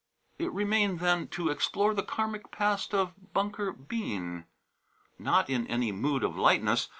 It remained, then, to explore the Karmic past of Bunker Bean; not in any mood of lightness.